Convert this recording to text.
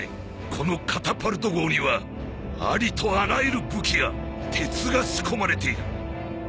このカタパルト号にはありとあらゆる武器や鉄が仕込まれている。